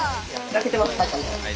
焼けてます。